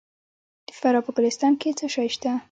د فراه په ګلستان کې څه شی شته؟